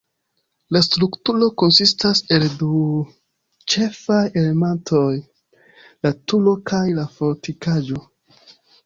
La strukturo konsistas el du ĉefaj elementoj: la turo kaj la fortikaĵo.